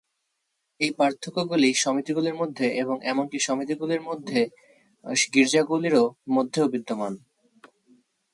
এই পার্থক্যগুলি সমিতিগুলির মধ্যে এবং এমনকি সমিতিগুলির মধ্যে গির্জাগুলির মধ্যেও বিদ্যমান।